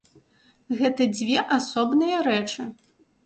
Гэта дзве асобныя рэчы.